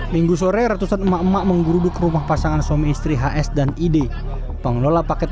minggu sore ratusan emak emak menggeruduk rumah pasangan suami istri hs dan id pengelola paket